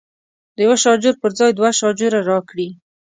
د یوه شاجور پر ځای دوه شاجوره راکړي.